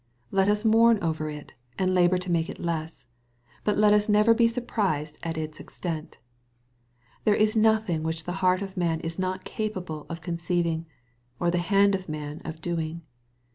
Let us mourn over it, and labor to make it less, but let us never be surprised at its extent. There ia notning which the heart of man is not capable of con ceiving, or the hand of man of doing.